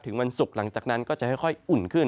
วันศุกร์หลังจากนั้นก็จะค่อยอุ่นขึ้น